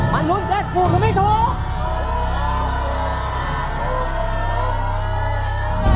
มันรุ่นเงินถูกหรือไม่ถูก